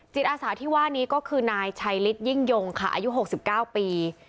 อาสาที่ว่านี้ก็คือนายชัยฤทธยิ่งยงค่ะอายุ๖๙ปี